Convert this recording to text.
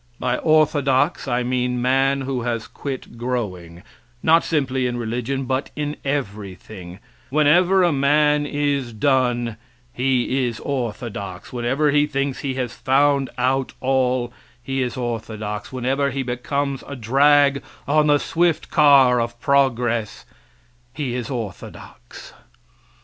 By "orthodox" I mean man who has quit growing; not simply in religion, but it everything; whenever a man is done, he is orthodox whenever he thinks he has found out all, he is orthodox whenever he becomes a drag on the swift car of progress, he is orthodox.